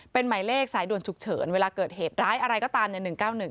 เป็นหมายเลขสายด่วนฉุกเฉินเวลาเกิดเหตุร้ายอะไรก็ตามเนี่ย๑๙๑